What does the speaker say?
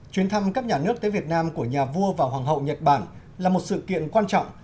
chuyến thăm cấp nhà nước tới việt nam của nhà vua và hoàng hậu nhật bản là một sự kiện quan trọng